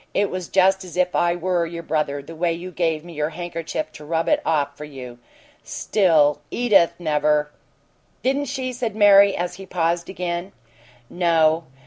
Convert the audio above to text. It was just as if I were your brother the way you gave me your handkerchief to rub it off for you. Still, Edith never " "Didn't she?" said Mary, as he paused again. "No.